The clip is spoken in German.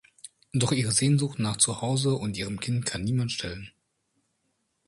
Doch ihre Sehnsucht nach zu Hause und ihrem Kind kann niemand stillen.